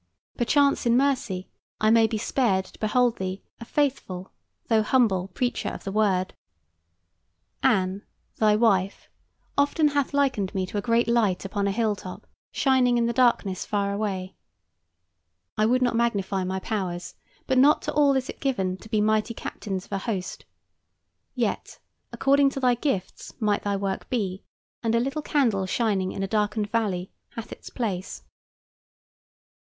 Perchance in mercy I may be spared to behold thee a faithful though humble preacher of the Word. Anne, thy wife, often hath likened me to a great light upon a high hill top, shining in the darkness far away. I would not magnify my powers, but not to all is it given to be mighty captains of a host. Yet, according to thy gifts might thy work be, and a little candle shining in a darkened valley hath its place.